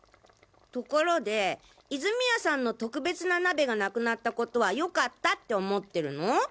ところで泉谷さんの特別な鍋がなくなったことは良かったって思ってるの？